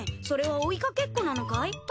それは追いかけっこなのかい？